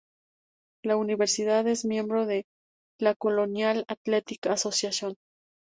La universidad es miembro de la Colonial Athletic Association.